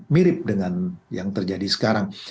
mirip dengan yang terjadi sekarang